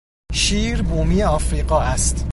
شیر بومی افریقا است.